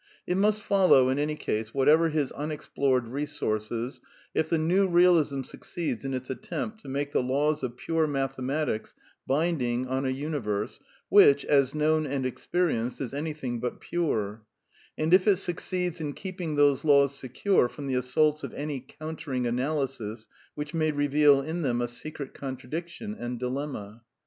It must fol low, in any case, whatever his unexplored resources, if the 'New Eealism succeeds in its attempt to make the laws of pure mathematics binding on a universe which, as known and experienced, is anything but pure ; and if it succeeds in keeping those laws secure from the assaults of any countering analysis which may reveal in them a secret contradiction and dilemma.